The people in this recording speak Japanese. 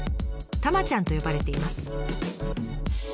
「たまちゃん」と呼ばれています。